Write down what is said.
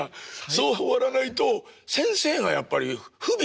そう終わらないと先生がやっぱりふびん。